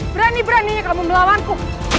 berani beraninya kamu melawanku